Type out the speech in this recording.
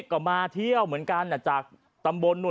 ก็มาเที่ยวเหมือนกันจากตำบลนู่น